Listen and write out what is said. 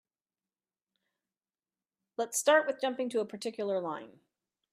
Let's start with jumping to a particular line.